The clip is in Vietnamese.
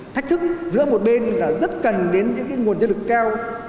thách thức giữa một bên là rất cần đến những nguồn nhân lực cao